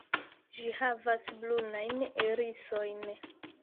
Ĝi havas brunajn irisojn.